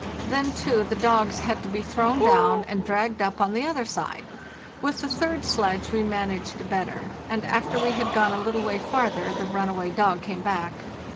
Then, too, the dogs had to be thrown down and dragged up on the other side. With the third sledge we managed better, and after we had gone a little way farther the runaway dog came back.